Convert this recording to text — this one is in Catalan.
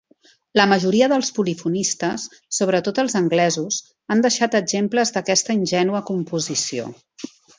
La majoria dels polifonistes, sobretot els anglesos, han deixat exemples d'aquesta ingènua composició.